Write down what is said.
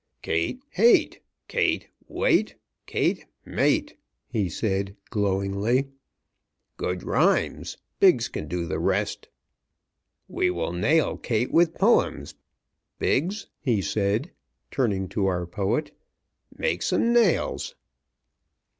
"Kate hate, Kate wait, Kate mate," he said, glowingly. "Good rhymes. Biggs can do the rest. We will nail Kate with poems. Biggs," he said, turning to our poet, "make some nails."